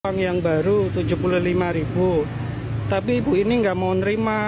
uang yang baru rp tujuh puluh lima tapi ibu ini nggak mau nerima